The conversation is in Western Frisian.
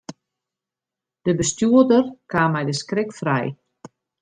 De bestjoerder kaam mei de skrik frij.